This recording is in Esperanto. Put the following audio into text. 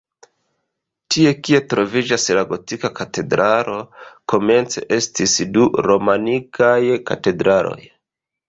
Tie kie troviĝas la gotika katedralo, komence estis du romanikaj katedraloj.